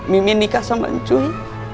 mimi nikah sama cuy